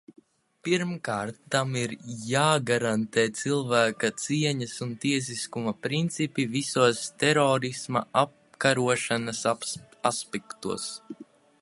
Pirmkārt, tam ir jāgarantē cilvēka cieņas un tiesiskuma principi visos terorisma apkarošanas aspektos.